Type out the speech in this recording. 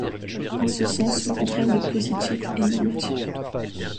En ce sens, le contraire de positif est normatif.